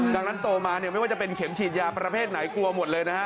ดังนั้นโตมาเนี่ยไม่ว่าจะเป็นเข็มฉีดยาประเภทไหนกลัวหมดเลยนะฮะ